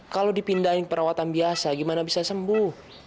kalau dipindahin perawatan biasa gimana bisa sembuh